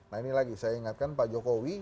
nah ini lagi saya ingatkan pak jokowi